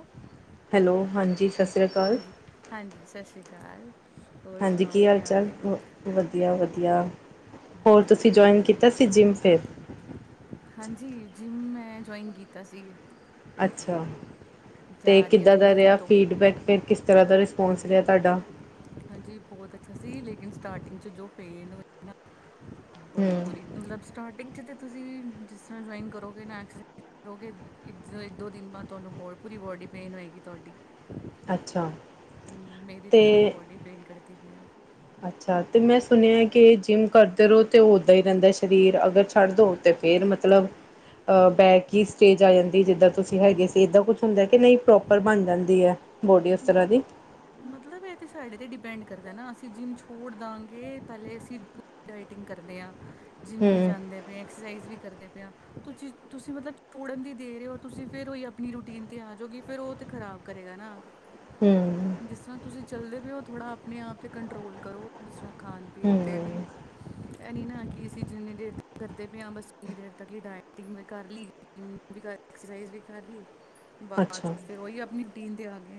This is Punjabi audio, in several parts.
ਉਹ [inaudible] ਹੈਲੋ ਹਾਂਜੀ ਸਤਿ ਸ੍ਰੀ ਅਕਾਲ ਹਾਂਜੀ ਸਤਿ ਸ਼੍ਰੀ ਅਕਾਲ, ਹੋਰ ਸੁਣਾਓ ਕੀ ਹਾਲ ਹੈ ਵਧੀਆ, ਵਧੀਆ ਹੋਰ ਵਧੀਆ ਤੁਸੀਂ ਜੁਆਇੰਨ ਕੀਤਾ ਸੀ ਜਿੰਮ ਫਿਰ ਹਾਂਜੀ -ਹਾਂਜੀ ਮੈਂ ਜੁਆਇੰਨ ਕੀਤਾ ਸੀ ਅੱਛਾ ਤੇ ਜਾ ਰਹੀ ਹਾਂ ਕਿੱਦਾਂ ਥੋੜੇ ਦਾ ਦਿਨ ਰਿਹਾ ਤੋਂ ਫੀਡਬੈਕ ਫਿਰ ਕਿਸ ਤਰ੍ਹਾਂ ਦਾ ਰਿਸਪੋਂਸ ਰਿਹਾ ਤੁਹਾਡਾ ਹਾਂਜੀ ਬਹੁਤ ਅੱਛਾ ਸੀ ਲੇਕਿਨ ਸਟਾਰਟਿੰਗ ' ਚ ਪੇਨ ਹੋਏ ਨਾ ਬੜੀ ਹਮ ਬੁਰੀ ਮਤਲਬ ਸਟਾਰਟਿੰਗ 'ਚ ਤਾਂ ਤੁਸੀਂ ਜਿਸ ਤਰ੍ਹਾਂ ਜੁਆਇੰਨ ਕਰੋਗੇ ਨਾ ਰਹੋਗੇ ਇੱਕ ਦੋ ਦਿਨ ਬਾਅਦ ਤੁਹਾਨੂੰ ਬਹੁਤ ਪੂਰੀ ਬੋਡੀ ਪੇਨ ਹੋਏਗੀ ਤੁਹਾਡੀ ਅੱਛਾ ਮੇਰੀ ਤਾਂ ਤੇ ਪੂਰੀ ਬੋਡੀ ਪੇਨ ਕਰਦੀ ਪਈ ਏ ਅੱਛਾ ਤੇ ਮੈਂ ਸੁਣਿਆ ਕਿ ਜਿੰਮ ਕਰਦੇ ਰਹੋ ਤੇ ਉੱਦਾਂ ਹੀ ਰਹਿੰਦਾ ਸਰੀਰ ਅਗਰ ਛੱਡ ਦਿਓ ਤੇ ਫੇਰ ਮਤਲਬ ਅ ਬੈਕ ਹੀ ਸਟੇਜ ਆ ਜਾਂਦੀ ਜਿੱਦਾਂ ਤੁਸੀਂ ਹੈਗੇ ਸੀ ਏਦਾਂ ਕੁਝ ਹੁੰਦਾ ਕਿ ਨਹੀਂ ਪ੍ਰੋਪਰ ਬਣ ਜਾਂਦੀ ਹੈ। ਬੋਡੀ ਓਸ ਤਰਾ ਦੀ ਮਤਲਬ ਇਹ ਤੇ ਸਾਡੇ ਤੇ ਡਿਪੈਂਡ ਕਰਦਾ ਨਾ ਅਸੀਂ ਜਿੰਮ ਛੋੜ ਦਵਾਂਗੇ ਪਹਿਲੇ ਅਸੀਂ ਡਾਇਟਿੰਗ ਕਰਦੇ ਆ, ਜਿੰਮ ਵੀ ਹਮ ਜਾਂਦੇ ਐਕਸਰਸਾਈਜ਼ ਵੀ ਕਰਦੇ ਪਏ ਤੁਸੀਂ ਤੁਸੀਂ ਮਤਲਬ ਛੋੜਨ ਦੀ ਦੇ ਰਹੇ ਹੋ ਤੁਸੀਂ ਫਿਰ ਉ ਆਪਣੀ ਰੂਟੀਨ 'ਤੇ ਆ ਜਾਉਗੀ ਫਿਰ ਉਹ ਤਾਂ ਖ਼ਰਾਬ ਕਰੇਗਾ ਨਾ ਹਮ ਜਿਸ ਤਰ੍ਹਾਂ ਤੁਸੀਂ ਚੱਲਦੇ ਪਏ ਹੋ ਥੋੜ੍ਹਾ ਆਪਣੇ ਆਪ 'ਤੇ ਕੰਟਰੋਲ ਕਰੋ ਜਿਸ ਤਰ੍ਹਾਂ ਖਾਣ -ਪੀਣ 'ਤੇ ਵੀ ਹਮ ਇਹਨੀ ਨਾ ਕਿ ਅਸੀਂ ਜਿੰਨੀ ਦੇਰ ਤੇ ਕਰਦੇ ਪਏ ਹਾਂ ਬਸ ਉੰਨੀ ਦੇਰ ਤੱਕ ਹੀ ਡਾਇਟਿੰਗ ਮੈਂ ਕਰ ਲਈ ਜਿੰਮ ਵੀ ਕਰ ਐਕਸਰਸਾਈਜ਼ ਵੀ ਕਰ ਲਈ ਬਾਅਦ ਅੱਛਾ ਚੋਂ ਫਿਰ ਉਹੀ ਆਪਣੀ ਰੂਟੀਨ ਦੇ ਆ ਗਏ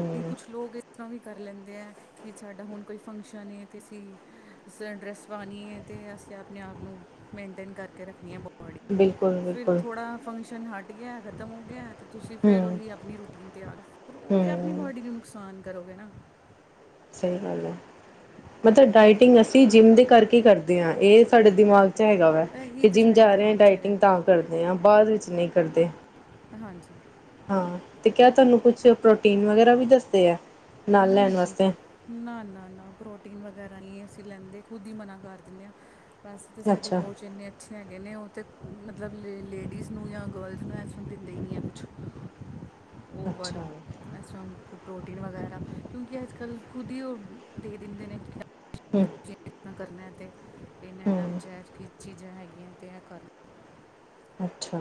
ਨਹੀਂ ਕੁਛ ਲੋਕ ਇਸ ਤਰ੍ਹਾਂ ਵੀ ਕਰ ਲੈਂਦੇ ਹੈ ਕਿ ਸਾਡਾ ਹੁਣ ਕੋਈ ਫੰਕਸ਼ਨ ਏ ਤੇ ਅਸੀਂ ਸੋਹਣੀ ਡਰੈੱਸ ਪਾਉਣੀ ਹੈ ਅਤੇ ਅਸੀਂ ਆਪਣੇ ਆਪ ਨੂੰ ਮੇਨਟੇਨ ਕਰਕੇ ਰੱਖਣੀ ਬਹੁਤ ਬ ਫਿਰ ਬਿਲਕੁਲ-ਬਿਲਕੁਲ, ਥੋੜਾ ਫੰਕਸ਼ਨ ਹਟ ਗਿਆ, ਖ਼ਤਮ ਹੋ ਗਿਆ ਤੇ ਤੁਸੀਂ ਫਿਰ ਹੂੰ, ਉਹੀ ਆਪਣੀ ਰੂਟੀਨ ਤਿਆਰ ਫਿਰ ਉਹਦੇ ਆਪ ਆਪਣੀ ਹੂੰ। ਬੋਡੀ ਨੂੰ ਨੁਕਸਾਨ ਕਰੋਗੇ ਨਾ ਸਹੀ ਗੱਲ ਹੈ ਮਤਲਬ ਡਾਇਟਿੰਗ ਅਸੀਂ ਜਿੰਮ ਦੇ ਕਰਕੇ ਕਰਦੇ ਹਾਂ ਇਹ ਸਾਡੇ ਉਹ- ਦਿਮਾਗ 'ਚ ਹੈਗਾ ਵਾ ਇਹੀ ਕਿ ਤੇ ਜਿੰਮ ਸਾਡੇ ਜਾ ਰਹੇ ਦਿਮਾਗ 'ਚ ਡਾਇਟਿੰਗ ਹੈਗਾ ਤਾਂ ਕਰਦੇ ਹਾਂ ਬਾਅਦ ਵਿੱਚ ਨਹੀਂ ਕਰਦੇ ਹਾਂਜੀ ਹਾਂ, ਤੇ ਕਿਆ ਤੁਹਾਨੂੰ ਕੁਛ ਪ੍ਰੋਟੀਨ ਵਗੈਰਾ ਵੀ ਦੱਸਦੇ ਆ ਨਾਲ ਲੈਣ ਨਹੀਂ ਵਾਸਤੇ ਨਾ- ਨਾ- ਨਾ ਪ੍ਰੋਟੀਨ ਵਗੈਰਾ ਹੀ ਅਸੀਂ ਲੈਂਦੇ ਖੁਦ ਹੀ ਮਨਾ ਕਰ ਦਿੰਦੇ ਹਾਂ ਬਸ ਤਾਂ ਸਾਡੇ ਅੱਛਾ, ਪਹੁੰਚ ਇੰਨੇ ਅੱਛੇ ਹੈਗੇ ਨੇ ਉਹ ਮਤਲਬ ਲੇਡੀਜ਼ ਨੂੰ ਜਾਂ ਗਰਲਜ਼ ਨੂੰ ਐਸ ਦਿੰਦੇ ਹੀ ਨਹੀਂ ਹੈ ਕੁਛ ਅੱਛਾ ਹੂੰ, ਓਵਰਸ੍ਹਾਂ ਪ੍ਰੋਟੀਨ ਵਗੈਰਾ ਕਿਉਂਕਿ ਅੱਜ ਕੱਲ ਖੁਦ ਹੀ ਉਹ ਦੇ ਦਿੰਦੇ ਨੇ ਹਮ ਤੁਸੀਂ ਇਸ ਕਰਨਾ ਤੇ ਇਹਨਾਂ -ਇਹਨਾਂ ਵਿਚ ਕੀ ਚੀਜ਼ਾਂ ਹੈਗੀਆਂ ਤੇ ਇਹ ਕਰ ਲੳ ਅੱਛਾ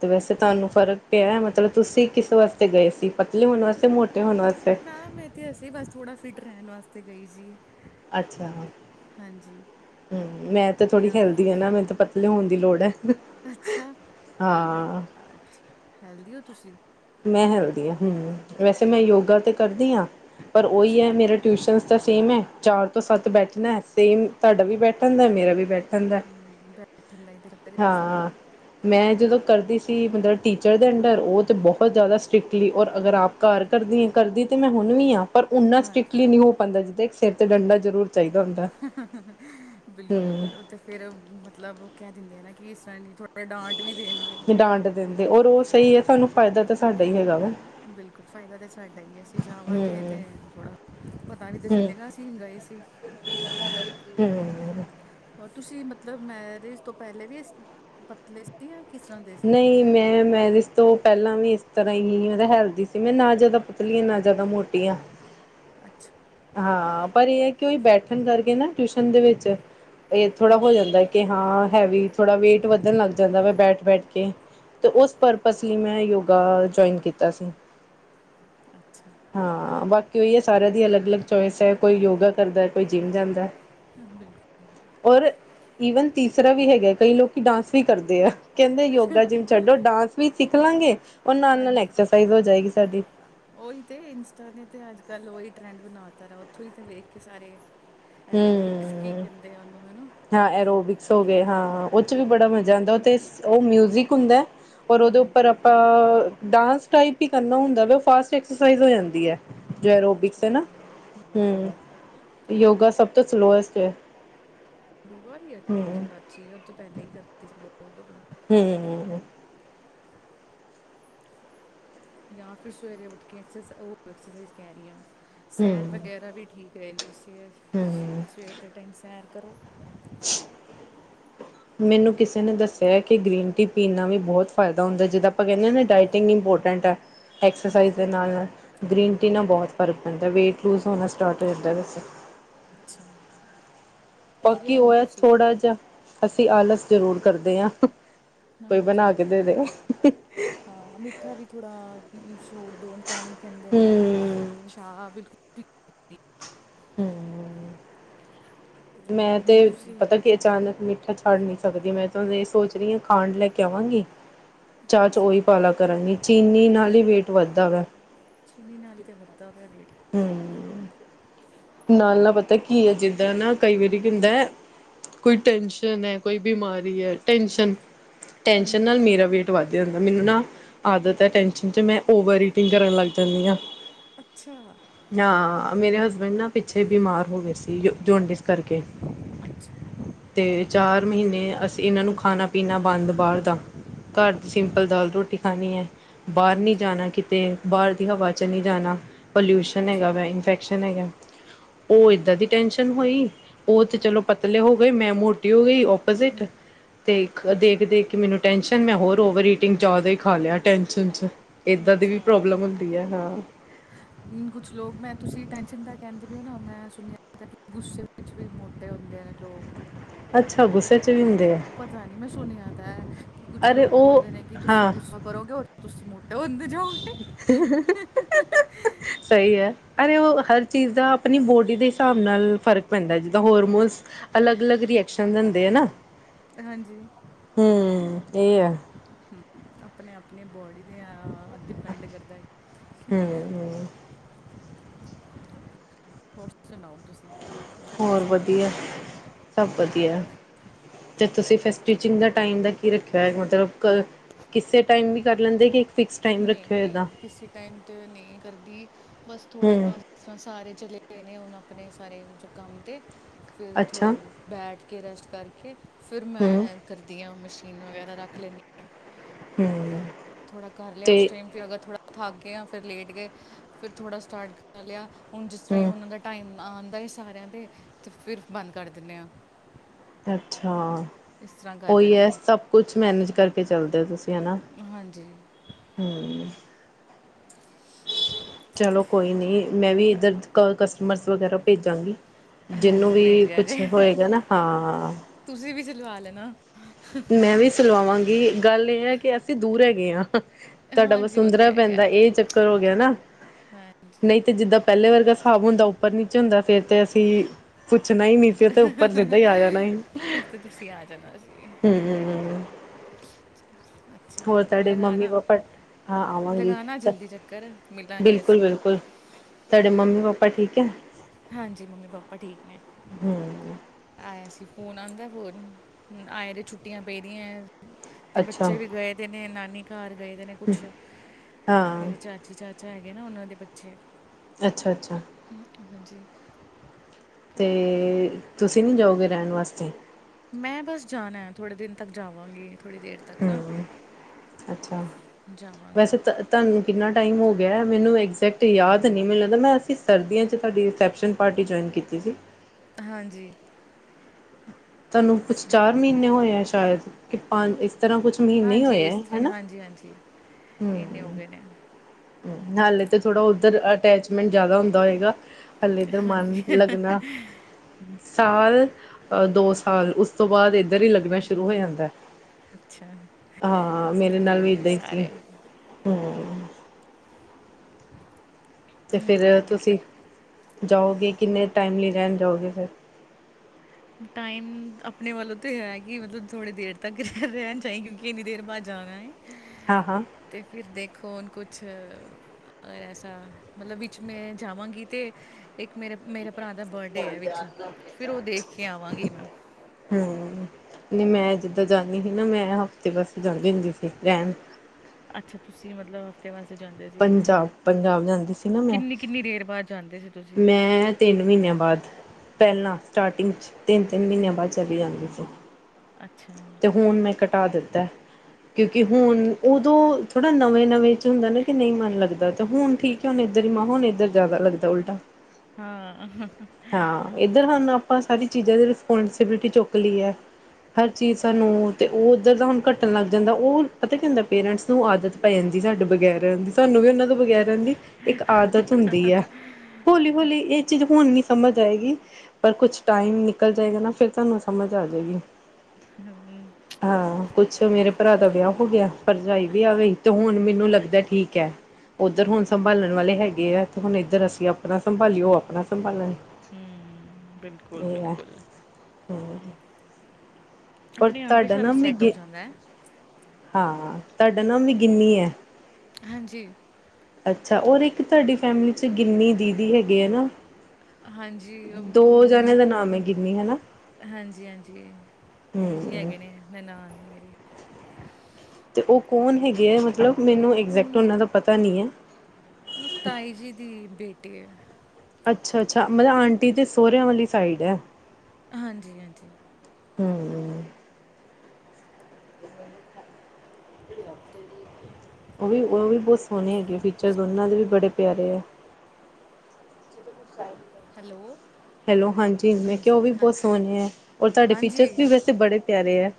ਤੇ ਵੈਸੇ ਤੁਹਾਨੂੰ ਫਰਕ ਪਿਆ ਮਤਲਬ ਤੁਸੀਂ ਕਿਸ ਵਾਸਤੇ ਗਏ ਸੀ ਪਤਲੇ ਹੋਣ ਵਾਸਤੇ ਮੋਟੇ ਹੋਣ ਵਾਸਤੇ ਨਾ ਮੈਂ ਤੇ ਅਸੀਂ ਬਸ ਥੋੜ੍ਹਾ ਫਿਟ ਰਹਿਣ ਵਾਸਤੇ ਗਈ ਸੀ ਅੱਛਾ ਹਾਂਜੀ ਹਮ ਮੈਂ ਤੇ ਆਪਣੇ ਥੋੜੀ ਆਪ ਨੂੰ ਹੈਲਦੀ ਹ ਨਾ। ਮੈਨੂੰ ਤਾਂ ਪਤਲੇ ਹੋਣ ਦੀ ਲੋੜ ਹੈ। ਅੱਛਾ ਹਾਂ। ਅੱਛਾ ਹੈਲਦੀ ਹੋ ਤੁਸੀਂ? ਮੈਂ ਹੈਲਦੀ ਹਾਂ। ਹਮ, ਵੈਸੇ ਮੈਂ ਯੋਗਾ ਤਾਂ ਕਰਦੀ ਹਾਂ। ਪਰ ਅੱਛਾ ਉਹੀ ਹੈ ਮੇਰੇ ਟਿਊਸ਼ਨਸ ਤਾਂ ਸੇਮ ਹੈ ਚਾਰ ਤੋਂ ਸੱਤ ਬੈਠਣਾ। ਸੇਮ ਤੁਹਾਡਾ ਵੀ ਬੈਠਾਦਾ ਮੇਰਾ ਵੀ ਬੈਠ ਕੱਲੇ। ਹਮ, ਬੈਠਣ ਦਾ ਹੀ ਤਾਂ ਚੱਕਰ ਹੈ ਹਾਂ। ਸਾਰਾ ਮੈਂ ਜਦੋਂ ਕਰਦੀ ਸੀ ਮਤਲਬ ਟੀਚਰ ਦੇ ਅੰਡਰ। ਉਹ ਤਾਂ ਬਹੁਤ ਬਹੁਤ ਜ਼ਿਆਦਾ ਸਟ੍ਰਿਕਟਲੀ। ਔਰ ਅਗਰ ਆਪ ਘਰ ਕਰਦੀ ਹੈ ਕਰਦੀ ਤਾਂ ਮੈਂ ਹੁਣ ਵੀ ਹਾਂ। ਪਰ ਉਨਾ ਸਟ੍ਰਿਕਟਲੀ ਹਾਂਜੀ ਨਹੀਂ ਹੋ ਪਾਉਂਦਾ। ਜਿੱਦਾਂ ਇੱਕ ਸਿਰ ਤੇ ਡੰਡਾ ਜ਼ਰੂਰ ਚਾਹੀਦਾ ਹੁੰਦਾ। ਹਹ- ਹਹ ਬਿਲਕੁਲ। ਉਹ ਹੂੰ ਤਾਂ ਫਿਰ ਮਤਲਬ ਉਹ ਕਹਿ ਦਿੰਦੇ ਆ ਨਾ ਕਿ ਇਸ ਤਰ੍ਹਾਂ ਦੀ ਡਾਂਡ ਦਿੰਦੇ। ਔਰ ਉਹ ਸਹੀ ਹੈ ਸਾਨੂੰ ਫਾਇਦਾ ਤਾਂ ਸਾਡਾ ਹੀ ਹੈਗਾ ਵਾ। ਬਿਲਕੁਲ, ਫਾਇਦਾ ਤਾਂ ਸਾਡਾ ਹੀ ਅਸੀਂ ਹੂੰ ਜਾਵਾਂਗੇ ਤੇ ਥੋੜਾ ਪਤਾ ਵੀ ਹੂੰ ਚੱਲੇਗਾ ਸੀ ਗਏ ਸੀ। ਹੂ ਔਰ ਤੁਸੀਂ ਮਤਲਬ ਮੈਰਿਜ ਤੋਂ ਪਹਿਲੇ ਵੀ ਇਸ ਪਤਲੇ ਕਿਸ ਤਰ੍ਹਾਂਦੇ ਸੀ ਨਹੀਂ ਹੈ। ਮੈਂ ਮੈਰਿਜ ਤੋਂ ਪਹਿਲਾਂ ਵੀ ਇਸ ਤਰ੍ਹਾਂ ਹੀ ਮਤ ਹੈਲਦੀ ਸੀ। ਮੈਂ ਨਾ ਜਿਆਦਾ ਪਤਲੀ ਆਂ ਨਾ ਜਿਆਦਾ ਮੋਟੀ ਆਂ। ਅੱਛਾ। ਹਾਂ। ਪਰ ਇਹ ਹੈ ਕਿ ਉਈ ਬੈਠਣ ਕਰਕੇ ਨਾ ਟਿਊਸ਼ਨ ਦੇ ਵਿੱਚ ਇਹ ਥੋੜ੍ਹਾ ਹੋ ਹਾਂਜੀ ਜਾਂਦਾ। ਕਿ ਹਾਂ, ਹੈਵੀ ਥੋੜਾ ਵੇਟ ਵਧਣ ਲੱਗ ਜਾਂਦਾ ਵਾ ਬੈਠ- ਬੈਠ ਕੇ। ਤੇ ਉਸ ਪਰਪ ਇਸ ਲਈ ਮੈਂ ਯੋਗਾ ਜੁਆਇਨ ਕੀਤਾ ਸੀ। ਅੱਛਾ ਹਾਂ। ਬਾਕੀ ਉਹੀ ਹੈ ਸਾਰਿਆਂ ਦੀ ਅਲੱਗ- ਅਲੱਗ ਚੋਇਸ ਹੈ। ਕੋਈ ਯੋਗਾ ਕਰਦਾ, ਕੋਈ ਜਿੰਮ ਜਾਂਦਾ। ਹਾਂ। ਬਿਲਕੁਲ ਔਰ ਈਵਨ ਤੀਸਰਾ ਵੀ ਹੈਗਾ ਕਈ ਲੋਕ ਡਾਂਸ ਵੀ ਕਰਦੇ ਆ। ਕਹਿੰਦੇ ਯੋ ਛੱਡੋ ਡਾਂਸ ਵੀ ਸਿੱਖ ਲਾਂਗੇ। ਉਹ ਨਾਲ- ਨਾਲ ਹਾਂਜੀ ਐਕਸਰਸਾਈਜ਼ ਹੋ ਜਾਏਗੀ। ਸਾਡੀ ਉਹੀ ਤੇ ਇੰਸਟਾ ਨੇ ਤੇ ਅੱਜ ਕੱਲ੍ਹ ਉਹੀ ਟਰੈਂਡ ਬਣਾਤਾ। ਉੱਥੋਂ ਹੀ ਤੇ ਵੇਖ ਕੇ ਸਾਰੇ ਰੋੋਕ ਕੀ ਹਮ ਕਿੰਦੇ ਆ ਉਹਨੂੰ। ਹੈ ਨਾ ਹਾਂ। ਐਰੋਬਿਕਸ ਹੋ ਗਏ ਹਾਂ। ਉਹ ਚ 'ਵੀ ਤੇ ਬੜਾ ਮਜ਼ਾ ਉਹੀ ਆਉਂਦਾ। ਉਹ ਤੇ ਉਹ ਮਿਊਜਿਕ ਹੁੰਦਾ। ਔਰ ਉਹਦੇ ਉਪਰ ਹਾਂਜੀ ਆਪਾਂ ਡਾਂਸ ਹੀ ਕਰਨਾ ਹੁੰਦਾ ਫਸਟ ਐਕਸੀਜ ਹੋ ਜਾਂਦੀ ਹੈ। ਫਾਸਟ ਹੋ ਜੋਰੋਬਿਕਸ। ਹਮ। ਜਾਂਦੀ ਹੈ ਯੋਗਾ ਸਭ ਤੋਂ ਸਲੋਐਸਟ ਹੈ। ਯੋਗਾ ਵੀ ਅਜ ਹਮ ਕਰਾਚੀ ਉਹ ਤੋਂ ਪਹਿਲੇ ਹੀ ਕਰਦੇ ਸੀ ਲੋਕ। ਹਮ। ਜਾਂ ਫਿਰ ਸਵੇਰੇ ਉੱਠ ਕੇ ਉਹ ਐਕਸਰਸਾਈਜ਼ ਕਰ ਰਆਂ। ਸੈਰ ਹਮ ਵਗੈਰਾ ਵੀ ਠੀਕ। ਫਿਰ ਇਦੀ ਸ ਹਮ ਸਵੇਰ ਦੇ ਟਾਈਮ ਸੈਰ ਕਰੋ। [inaudible] [inaudible] ਮੈਨੂੰ ਕਿਸੇ ਨੇ ਦੱਸਿਆ ਕਿ ਗ੍ਰੀਨ ਟੀ ਪੀਣ ਨਾਲ ਵੀ ਬਹੁਤ ਫਾਇਦਾ ਹੁੰਦਾ ਹੈ ਜਿਦਾਂ ਆਪਾਂ ਕਹਿੰਦੇ ਹ ਨਾ ਡਾਇਟ ਕਿੰ ਇੰਪੋਰਟੈਂਟ ਹੈ। ਐਕਸਰਸਾਈਜ਼ ਹਾਂਜੀ ਦੇ ਨਾਲ ਨਾਲ ਗ੍ਰੀਨ ਟੀ ਨਾਲ ਬਹੁਤ ਫਰਕ ਪੈਂਦਾ ਵੇਟ ਲੂਜ਼ ਹੋਣਾ ਸਟਾਰਟ ਹੋ ਜਾਂਦਾ ਦਸ। ਅੱਛਾ। ਪੀ ਰਹੇ ਬਾਕੀ ਹੋ ਉਹ ਹੁਣ ਹੈ ਤੁਸੀਂ ਥੋੜਾ ਜਿਹਾ, ਅਸੀਂ ਆਲਸ ਜ਼ਰੂਰ ਕਰਦੇ ਹਾਂ। ਕੋਈ ਹਾਂਜੀ ਬਣਾ ਉਹ ਕੇ ਤੇ ਦੇ ਦੇ। ਹੈਗਾ ਹਾਂ। ਮਿੱਠਾ ਵੀ ਥੋੜਾ ਛੋੜ ਦੋ ਤਾਂ ਵੀ ਕਹਿੰਦੇ ਨੇ। ਚਾਹ ਬਿਲਕੁਲ ਵੀ ਨਹੀਂ। ਹਮ। ਮੈਂ ਤੇ ਹੁਣ ਤੁਸੀਂ ਪਤਾ ਕੇ ਅਚਾਨਕ ਮਿੱਠਾ ਛੱਡ ਨੀ ਸਕਦੀ ਮੈਂ ਤੇ ਹੂੰਨ ਏ ਸੋਚ ਰੀ ਆਂ ਖਾਂਡ ਲੈ ਕੇ ਆਵਾਂਗੀ। ਚਾਹ ਚ' ਅੱਛਾ ਓਹੀ ਪਾ ਲਾ ਕਰਾਂਗੀ। ਚੀਨੀ ਨਾਲ ਈ ਵੇਟ ਵੱਧਦਾ ਹਗੈ। ਚੀਨੀ ਨਾਲ ਹੀ ਈ ਤੇ ਵੱਧਦਾ ਪਿਆ ਵੇਟ ਹੂੰ। ਨਾਲ ਨਾ ਪਤਾ ਕੀ ਏ ਜਿੱਦਾਂ ਨਾ ਕਈ ਵਾਰੀ ਹੁੰਦਾ ਕੋਈ ਟੈਨਸ਼ਨ ਐ, ਕੋਈ ਬਿਮਾਰੀ ਐ ਟੈਨਸ਼ਨ, ਟੈਨਸ਼ਨ ਹਾਂਜੀ ਨਾਲ ਮੇਰਾ ਵੇਟ ਡੁਹਾਡੇ ਅੰਦਰ ਮੈਨੂੰ ਨਾ, ਆਦਤ ਐ, ਟੈਂਸ਼ਨ ਚ ਮੈਂ ਓਵਰ ਈਟਿੰਗ ਕਰਨ ਲੱਗ ਜਾਂਦੀ ਆਂ। ਅੱਛਾ। ਹਾਂ, ਮੇਰੇ ਹਸਬੈਂਡ ਨਾ ਪਿੱਛੇ ਬਿਮਾਰ ਹੋਗੇ ਸੀ, ਜੋ ਜੋਂਡਿਸ ਕਰਕੇ। ਅੱਛਾ ਤੇ ਚਾਰ ਮਹੀਨੇ ਅਸੀ ਇਨਾਂ ਨੂੰ ਖਾਣਾ-ਪੀਣਾ ਬੰਦ ਬਾਹਰ ਦਾ ਘਰ ਦੀ ਸਿੰਪਲ ਦਾਲ-ਰੋਟੀ ਖਾਂਦੀ ਏ, ਬਾਹਰ ਨੀ ਹਾਂਜੀ ਜਾਣਾ ਕਿਤੇ ਤੇ ਬਾਹਰ ਦੀ ਹਵਾ 'ਚ ਨੀ ਜਾਣਾ, ਪੋਲਯੂਸ਼ਨ ਹੈਗਾ ਅੱਛਾ ਵੈ, ਇਨਫੈਕਸ਼ਨ ਹੈਗਾ। ਉਹ ਏਦਾ ਦੀ ਟੈਨਸ਼ਨ ਹੋਈ, ਉਹ ਤੇ ਚਲੋ ਪਤਲੇ ਹੋਗੇ, ਮੈਂ ਮੋਟੀ ਹੋਗੀ ਓ ਓਪੋਜਿਟ ਤੇ ਇੱਕ ਅੱਛਾ ਦੇਖ-ਦੇਖ ਕੇ ਮੈਨੂੰ ਟੈਨਸ਼ਨ ਮੈਂ ਹੋਰ ਓਵਰ ਈਟਿੰਗ ਜਿਆਦਾ ਈ ਖਾ ਲਿਆ ਟੈਨਸ਼ਨ 'ਚ ਏਂਦਾ ਦੀ ਵੀ ਪ੍ਰੋਬਲਮ ਹੁੰਦੀ ਐ, ਹਾਂ। ਕੁੱਛ ਲੋਕ ਮੈਂ ਤੁਸੀ ਟੈਨਸ਼ਨ ਦਾ ਕਹਿੰਦੇ ਪਏ ਨਾ, ਮੈਂ ਸੁਣਿਆ [unintelligible] ਗੁੱਸੇ ਕੁਛ ਵੀ ਮੋਟੇ ਹੁੰਦੇ ਨੇ ਲੋਕ ਅੱਛਾ, ਗੁੱਸੇ 'ਚ ਵੀ ਹੁੰਦੇ ਐ। ਪਤਾ ਨੀ ਮੈਂ ਸੁਣਿਆ ਤਾਂ ਕਿ ਕੁੱਛ ਅਰੇ ਲੋਕ ਉਹ ਬੋਲਦੇ ਨੇ ਕਿ ਤੁਸੀਂ ਹਾਂ ਗੁੱਸਾ ਕਰੋਗੇ ਤੁਸੀਂ ਮੋਟੇ ਹੁੰਦੇ ਜਾਉਗੇ ਸਹੀ ਹੈ ਅਰੇ ਉਹ ਹਰ ਚੀਜ਼ ਦਾ ਆਪਣੀ ਬੋਡੀ ਦੇ ਹਿਸਾਬ ਨਾਲ ਫ਼ਰਕ ਪੈਂਦਾ ਜਿੱਦਾਂ ਹਾਰਮੋਨਸ ਅਲੱਗ -ਅਲੱਗ ਰਿਐਕਸ਼ਨ ਦਿੰਦੇ ਆ ਨਾ, ਹਾਂਜੀ ਹਮ ਇਹ ਹੈ ਆਪਣੇ- ਆਪਣੇ ਬੋਡੀ ਦੇ ਅ ਡਿਪੈਂਡ ਕਰਦਾ ਹਮ ਹਮ ਹੋਰ ਸੁਣਾਓ, ਤੁਸੀ ਹੋਰ ਵਧੀਆ, ਸਭ ਵਧੀਆ। ਤੇ ਤੁਸੀ ਫੇਰ ਸਟਿਚਿੰਗ ਦਾ ਟਾਈਮ ਦਾ ਕੀ ਰੱਖਿਆ ਮਤਲਬ ਕਲ ਕਿਸੇ ਟਾਈਮ ਵੀ ਕਰ ਲੈਂਦੇ ਕਿ ਟਾਈਮ ਨਹੀ, ਰੱਖਿਆ ਏਦਾਂ ਨਹੀ ਕਿਸੇ ਟਾਈਮ ਤੇ ਨੀ ਕਰਦੀ, ਬੱਸ ਥੋੜਾ ਹੂੰ ਜਿਸ ਤਰਾਂ ਸਾਰੇ ਚਲੇ ਗਏ ਨੇ ਹੁਣ ਆਪਨੇ ਸਾਰੇ ਜੋ ਕੰਮ ਤੇ, ਫੇਰ ਅੱਛਾ ਥੋੜਾ ਬੈਠ ਕੇ, ਰੈਸਟ ਕਰਕੇ, ਫੇਰ ਹੂੰ ਮੈਂ ਕਰਦੀ ਆਂ ਮਸ਼ੀਨ ਵਗੈਰਾ ਰੱਖ ਲੈਂਦੀ ਆ ਹੂੰ। ਥੋੜਾ ਕਰ ਲਿਆ ਉਸ ਟਾਈਮ ਤੇ ਅਗਰ ਥੋੜਾ ਥੱਕ ਗਿਆਂ ਫੇਰ ਲੇਟ ਗਏ, ਫੇਰ ਥੋੜਾ ਸਟਾਰਟ ਕਰ ਲਿਆ, ਹੁਣ ਜਿਸ ਤਰਾਂ ਈ ਹੂੰ ਉਨਾਂ ਦਾ ਟਾਈਮ ਆਂਉਦਾ ਈ ਸਾਰਿਆ ਤੇ, ਤੇ ਫਿਰ ਬੰਦ ਕਰ ਦਿੰਦੇ ਆਂ। ਅੱਛਾ, ਕਰ ਓਹੀ ਲੈਂਦੇ ਐ ਆ ਸਭ ਕੁੱਛ ਮੈਨੇਜ ਕਰਕੇ ਚੱਲਦੇ ਹੋ ਤੁਸੀ ਹਨਾ ਹਾਂਜੀ। ਹੂੰ। [inaudible] ਚਲੋ ਕੋਈ ਨੀ ਮੈਂ ਵੀ ਇੱਧਰ ਕ ਕਸਟਮਰਸ ਵਗੈਰਾ ਭੇਜਾਂਗੀ। ਜਿਹਨੂੰ ਹਾਂਜੀ ਵੀ ਕੁੱਛ ਹੋਏਗਾ ਨਾ, ਹਾਂ ਤੁਸੀ ਵੀ ਸਿਲਵਾ ਲੈਨਾ। ਮੈਂ ਵੀ ਸਿਲਵਾਂਗੀ, ਗੱਲ ਏ ਐ ਕੇ ਅਸੀ ਦੂਰ ਹੈਗੇ ਆਂ। ਤੁਹਾਡਾ ਹਾਂਜੀ ਉਹ ਤੇ ਵਸੁੰਧਰਾ ਹੈਗਾ ਪੈਂਦਾ, ਏ ਹੈ। ਚੱਕਰ ਹੋ ਗਿਆ ਨਾ। ਨਹੀ ਤੇ ਜਿੱਦਾ ਪਹਿਲੇ ਵਰਗਾ ਹਿਸਾਬ ਹੁੰਦਾ, ਉੱਪਰ ਨੀਚੇ ਹੁੰਦਾ ਫੇਰ ਤੇ ਅਸੀ ਪੁੱਛਣਾ ਈ ਨਹੀ ਸੀ, ਓ ਤੇ ਉੱਪਰ ਸਿੱਧਾ ਈ ਆ ਜਾਣਾ ਸੀ। ਫਿਰ ਤੇ ਤੁਸੀ ਆ ਜਾਣਾ ਸੀ। ਹੂੰ ਅੱਛਾ ਹੋਰ, ਤੁਹਾਡੇ ਲਗਾਣਾ ਮੰਮੀ-ਪਾਪਾ ਹਾਂ, ਆਵਾਂਗੀ, ਲਗਾਣਾ ਜਲਦੀ ਚੱਕਰ ਮਿਲਾਂਗੇ ਬਿਲਕੁਲ, ਅਸੀਂ ਵੀ ਬਿਲਕੁਲ। ਤੁਹਾਡੇ ਮੰਮੀ-ਪਾਪਾ ਠੀਕ ਐਂ। ਹਾਂਜੀ, ਮੰਮੀ-ਪਾਪਾ ਠੀਕ ਨੇ। ਆਏ ਸੀ ਫੋਨ ਆਉਂਦਾ ਹੋਰ ਆਏ ਦੇ ਛੁੱਟੀਆਂ ਪੈਂਦੀਆਂ ਹੈ। ਤੇ ਅੱਛਾ ਬੱਚੇ ਵੀ ਗਏ ਦੇ ਨੇ ਨਾਨੀ ਘਰ ਗਏ ਦੇ ਨੇ ਕੁਛ ਹਾਂ ਮੇਰੇ ਚਾਚੇ ਚਾਚਾ ਹੈਗੇ ਨਾ ਉਹਨਾਂ ਦੇ ਬੱਚੇ ਅੱਛਾ -ਅੱਛਾ। ਹਾਂਜੀ ਤੇ ਤੁਸੀਂ ਨੀ ਜਾਓਗੇ ਰਹਿਣ ਵਾਸਤੇ ਮੈਂ ਬਸ ਜਾਣਾ ਥੋੜੇ ਦਿਨ ਤੱਕ ਜਾਵਾਂਗੀ ਥੋੜੀ ਦੇਰ ਤੱਕ ਹੂ ਨਾ ਅੱਛਾ ਜਾਵਾਂਗੀ ਵੈਸੇ ਤਾਂ ਤੁਹਾਨੂੰ ਕਿੰਨਾ ਟਾਈਮ ਹੋ ਗਿਆ ਮੈਨੂੰ ਐਗਜੈਕਟ ਯਾਦ ਨਹੀਂ ਮੈਨੂੰ ਲੱਗਦਾ ਮੈਂ ਅਸੀਂ ਸਰਦੀਆਂ ਚ ਤੁਹਾਡੀ ਰਿਸੈਪਸ਼ਨ ਪਾਰਟੀ ਜੁਆਇਨ ਕੀਤੀ ਸੀ। ਹਾਂਜੀ ਤੁਹਾਨੂੰ ਕੁਛ ਚਾਰ ਮਹੀਨੇ ਹੋਏ ਆ ਸ਼ਾਇਦ ਕਿ ਪੰਜ ਇਸ ਤਰ੍ਹਾਂ ਕੁਛ ਮਹੀਨੇ ਹੀ ਹਾਂਜੀ ਹੋਏ ਇਸ ਹੈ ਹਨਾ। ਤਰ੍ਹਾਂ ਹਾਂਜੀ ਹਾਂਜੀ ਇੰਨੇ ਹੋ ਹੂੰ ਗਏ ਨੇ ਹਾਲੇ ਤੇ ਥੋੜਾ ਉੱਧਰ ਅਟੈਚਮੈਂਟ ਜਿਆਦਾ ਹੁੰਦਾ ਹੋਏਗਾ ਹਲੇ ਤਾਂ ਮਨ ਹਾਂਜੀ ਲੱਗਣਾ ਸਾਲ ਦੋ ਸਾਲ ਉਸ ਤੋਂ ਬਾਅਦ ਇੱਧਰ ਹੀ ਲੱਗਣਾ ਸ਼ੁਰੂ ਹੋ ਜਾਂਦਾ ਅੱਛਾ ਹਾਂ, ਮੇਰੇ ਸਭ ਨਾਲ ਵੀ ਬੋਲਦੇ ਇੱਦਾਂ ਸੀ, ਸਾਰੇ ਹੂ। ਤੇ ਹੁੰਦਾ ਹੈ ਫਿਰ ਲੇਕਿਨ ਤੁਸੀ ਜਾਓਗੇ, ਕਿੰਨੇ ਟਾਈਮ ਲਈ ਰੈਨ ਜਾਓਗੇ ਫਿਰ ਟਾਈਮ ਆਪਨੇ ਵੱਲੋ ਤੇ ਹੈ ਕਿ ਮਤਲਬ ਥੋੜੀ ਦੇਰ ਤੱਕ ਰੈਨ ਜਾਏਗੀ ਕਿੰਨੀ ਦੇਰ ਬਾਅਦ ਜਾਣਾ ਹੈ। ਹਾਂ ਹਾਂ ਤੇ ਫਿਰ ਦੇਖੋ ਹੁਣ ਕੁਛ ਅਗਰ ਐਸਾ ਮਤਲਬ ਵਿੱਚ ਮੈਂ ਜਾਵਾਂਗੀ ਤਾਂ ਇੱਕ ਮੇਰੇ ਮੇਰੇ ਭਰਾ ਦਾ ਬਰਡੇ ਹੈ ਵਿੱਚ ਫਿਰ ਉਹ ਦੇਖ ਕੇ ਆਵਾਂਗੀ ਮੈਂ ਹੂ ਨਹੀਂ ਮੈਂ ਜਿੱਦਾਂ ਜਾਂਦੀ ਸੀ ਨਾ ਮੈਂ ਹਫ਼ਤੇ ਵਸਤੇ ਜਾਂਦੀ ਹੁੰਦੀ ਸੀ ਰਹਿਣ ਅੱਛਾ ਤੁਸੀਂ ਮਤਲਬ ਹਫਤੇ ਵਸਤੇ ਜਾਂਦੇ ਸੀ ਪੰਜਾਬ ਪੰਜਾਬ ਜਾਂਦੀ ਸੀ ਨਾ ਮੈਂ ਕਿੰਨੀ ਕਿੰਨੀ ਦੇਰ ਬਾਅਦ ਜਾਂਦੇ ਸੀ ਤੁਸੀਂ ਮੈਂ ਤਿੰਨ ਮਹੀਨਿਆਂ ਬਾਅਦ ਪਹਿਲਾਂ ਸਟਾਰਟਿੰਗ ਚ ਤਿੰਨ ਤਿੰਨ ਮਹੀਨਿਆਂ ਬਾਅਦ ਚਲੀ ਜਾਂਦੀ ਸੀ। ਅੱਛਾ। ਤੇ ਹੁਣ ਮੈਂ ਘਟਾ ਦਿੱਤਾ ਕਿਉਂਕਿ ਹੁਣ ਉਦੋਂ ਥੋੜਾ ਨਵੇਂ ਨਵੇਂ ਹੁੰਦਾ ਨਾ ਕਿ ਨਹੀਂ ਮਨ ਲੱਗਦਾ ਤਾਂ ਹੁਣ ਠੀਕ ਹਣ ਇੱਧਰ ਹੀ ਮਾਹੋਨ ਇੱਧਰ ਜਿਆਦਾ ਉਲਟਾ ਹਾਂ ਹਾਂ ਇੱਧਰ ਹੁਣ ਆਪਾਂ ਸਾਰੀ ਚੀਜ਼ਾਂ ਦੀ ਰਿਸਪੋਂਸੀਬਿਲਟੀ ਚੁੱਕ ਲਈ ਹੈ। ਹਰ ਚੀਜ਼ ਸਾਨੂੰ ਤੇ ਉਹ ਉੱਧਰ ਦਾ ਹੁਣ ਘੱਟਣ ਲੱਗ ਜਾਂਦਾ ਉਹ ਪਤਾ ਕੀ ਹੁੰਦਾ ਪੇਰੈਂਟਸ ਆਦਤ ਪੈ ਜੀ ਸਾਡੇ ਬਗੈਰ ਰਹਿਣ ਦੀ ਤੁਹਾਨੂੰ ਵੀ ਉਹਨਾਂ ਦੇ ਵਗੈਰਿਆਂ ਦੀ ਇੱਕ ਆਦਤ ਹੁੰਦੀ ਹੈ ਹੌਲੀ ਹੌਲੀ ਇਹ ਚੀਜ਼ ਹੁਣ ਨੀ ਸਮਝ ਆਏਗੀ ਪਰ ਕੁਛ ਟਾਈਮ ਨਿਕਲ ਜਾਏਗਾ ਨਾ ਫਿਰ ਤੁਹਾਨੂੰ ਸਮਝ ਆ ਜਾਏਗੀ ਖੰਨੀ ਹਾਂ ਕੁਛ ਮੇਰੇ ਭਰਾ ਦਾ ਵਿਆਹ ਹੋ ਗਿਆ। ਭਰਜਾਈ ਵੀ ਆ ਗਈ ਤੇ ਹੁਣ ਮੈਨੂੰ ਅੱਛਾ ਲੱਗਦਾ ਜੀ ਠੀਕ ਹੈ। ਉੱਧਰ ਹੁਣ ਸੰਭਾਲਣ ਵਾਲੇ ਹੈਗੇ ਆ ਤੇ ਹੁਣ ਇੱਧਰ ਅਸੀਂ ਆਪਣਾ ਸੰਭਾਲੀਏ ਉਹ ਆਪਣਾ ਸੰਭਾਲਣ ਹੂ ਬਿਲਕੁਲ ਬਿਲਕੁਲ ਹੋਰ ਪਰ ਆਪਣੇ ਆਪ ਹੀ ਤੁਹਾਡਾ ਸਾਰਾ ਨਾਮ ਵੀ ਸੈੱਟ ਹੋ ਗੇ ਜਾਂਦਾ ਹੈ। ਹਾਂ ਤੁਹਾਡਾ ਨਾਮ ਵੀ ਗਿਨੀ ਹੈ। ਹਾਂਜੀ ਅੱਛਾ ਹੋਰ ਇੱਕ ਤੁਹਾਡੀ ਫੈਮਿਲੀ ਚ ਗਿੰਨੀ ਦੀਦੀ ਹੈਗੇ ਹੈ ਨਾ ਹਾਂਜੀ, ਦੋ ਜਾਣਿਆ ਦਾ ਨਾਮ ਹੈ ਗਿਨੀ ਹਨਾ ਹਾਂਜੀ-ਹਾਂਜੀ ਦੀਦੀ ਹਮ ਹੈਗੇ ਨੇ ਨਨਾਨ ਮੇਰੀ ਤੇ ਉਹ ਕੌਣ ਹੈਗੇ ਹੈ ਮਤਲਬ ਮੈਨੂੰ ਐਗਜੈਕਟ ਉਹਨਾਂ ਦਾ ਪਤਾ ਨਹੀਂ ਹੈ। ਉਹਨੂੰ ਤਾਈ ਜੀ ਦੀ ਬੇਟੀ ਹੈ। ਅੱਛਾ-ਅੱਛਾ, ਮਤਲਬ ਆਂਟੀ ਤੇ ਸੋਹਰਿਆਂ ਵਾਲੀ ਸਾਈਡ ਹੈ। ਹਾਂਜੀ-ਹਾਂਜੀ। ਹੂੰ। [unintelligible] ਉਹ ਵੀ ਉਹ ਵੀ ਬਹੁਤ ਹੋਰ ਸੋਹਣੇ ਹੈਗੇ ਸੁਣਾਓ ਫੀਚਰ ਤੁਸੀਂ? ਉਹਨਾਂ ਦੇ ਵੀ ਬੜੇ ਪਿਆਰੇ ਏ। ਗੁਸਾਹਿ [inaudible] ਹੈਲੋ, ਹੈਲੋ ਹਾਂਜੀ ਮੈਂ ਕਿਹਾ ਉਹ ਵੀ ਬਹੁਤ ਸੋਹਣੇ ਹੈ ਔਰ ਤੁਹਾਡੇ ਫੀਚਰ ਹਾਂਜੀ, ਵੀ ਵੈਸੇ ਬੜੇ ਪਿਆਰੇ ਹੈ।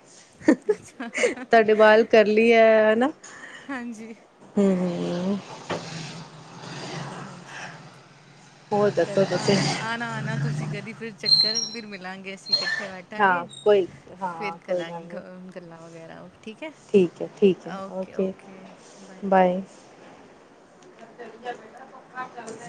ਤੁਹਾਡੇ ਬਾਲ ਕਰਲੀ ਹੈ ਹਨਾ। ਹਾਂਜੀ। ਹੂੰ, ਹੂੰ। ਹਾਂਜੀ ਹੋਰ ਦੱਸੋ ਚਲੋ ਤੁਸੀਂ ਆਣਾ-ਆਣਾ-ਆਣਾ ਤੁਸੀਂ ਕਦੀ ਫਿਰ ਚੱਕਰ ਫਿਰ ਮਿਲਾਂਗੇ ਅਸੀਂ ਇਕੱਠੇ ਬੈਠ ਠਾ ਹਾਂ ਗੇ ਕੋਈ ਫਿਰ ਹਾਂ ਕੋਈ ਕਲਾਗੇ ਗੱਲ ਨਹੀਂ ਗੱਲਾਂ ਵਗੈਰਾ ਠੀਕ ਹੈ। ਠੀਕ ਹੈ-ਠੀਕ ਹੈ ਓਕੇ ਬਾਏ। [unintelligible]